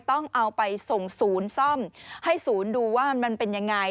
ต้องเอาไปส่งศูนย์ซ่อมให้ศูนย์ดูว่ามันเป็นยังไง